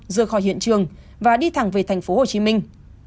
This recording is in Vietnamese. rời khỏi hiện trường và đi thẳng về thành phố hồ chí minh